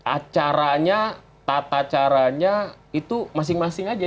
acaranya tata caranya itu masing masing aja